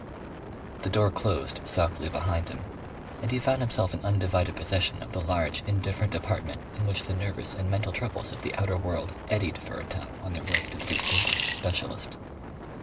The door closed softly behind him and he found himself in undivided possession of the large indifferent apartment in which the nervous and mental troubles of the outer world eddied for a time on their way to the distinguished specialist.